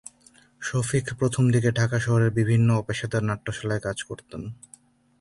শফিক প্রথমদিকে ঢাকা শহরের বিভিন্ন অপেশাদার নাট্যশালায় কাজ করতেন।